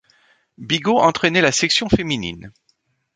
Bigot entraînait la section féminine.